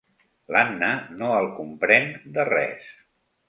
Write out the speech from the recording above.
L'Anna no el comprèn de res.